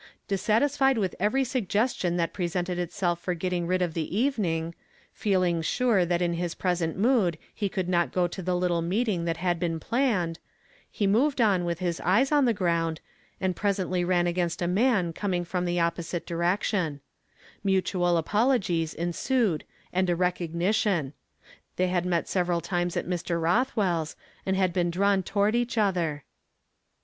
Dissatisfied with every suggestion that presented itself for getting rid of the evening, feeling sure that in his present mood he could not go to the little meeting that had been planned, he moved on with his eyes on the ground, and presently ran against a man coming from the opposite direction INIutual apologies ensued and a recognition. They had met several times at Mr. Rothweirs, and had been drawn toward each other.